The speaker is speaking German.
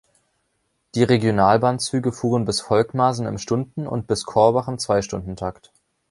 Die Regionalbahnzüge fuhren bis Volkmarsen im Stunden- und bis Korbach im Zweistundentakt.